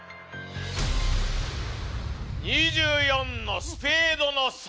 ２４のスペードの３！